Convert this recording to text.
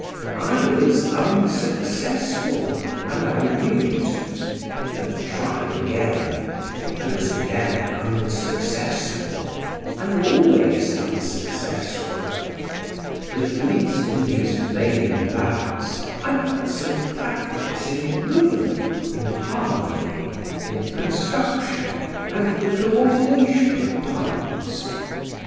I was unsuccessful, and I knew it; and tried again, and was again unsuccessful and always unsuccessful; but at least in these vain bouts, I got some practice in rhythm, in harmony, in construction and the co ordination of parts.